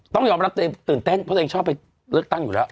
ต้องยอมรับตื่นเต้นเพราะตัวเองก็รับไปเลือกตังค์อยู่แล้ว